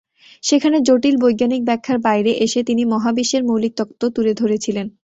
সেখানে জটিল বৈজ্ঞানিক ব্যাখ্যার বাইরে এসে তিনি মহাবিশ্বের মৌলিক তত্ত্ব তুলে ধরেছিলেন।